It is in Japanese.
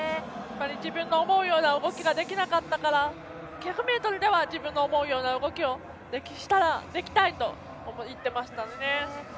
自分の思うような動きができなかったから１００ｍでは思うような動きでいきたいと言っていましたね。